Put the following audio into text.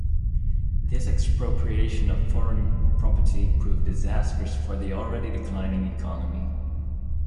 This expropriation of foreign property proved disastrous for the already declining economy.